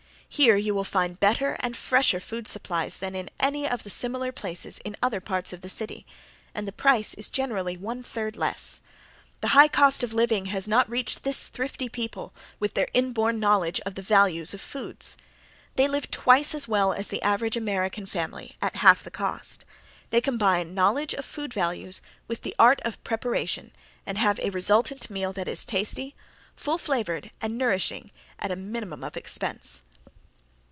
Here you will find better and fresher food supplies than in any of the similar places in other parts of the city, and the price is generally one third less. The high cost of living has not reached this thrifty people with their inborn knowledge of the values of foods. They live twice as well as the average American family at half the cost. They combine knowledge of food values with the art of preparation and have a resultant meal that is tasty, full flavored, and nourishing at a minimum of expense.